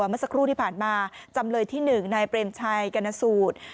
เมื่อสักครู่ที่ผ่านมาจำเลยที่๑นายเปรมชัยกรณสูตร